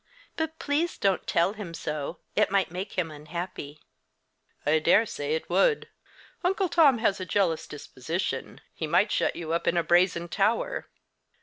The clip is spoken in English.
but please don't tell him so. It might make him unhappy." "I dare say it would. Uncle Tom has a jealous disposition. He might shut you up in a brazen tower."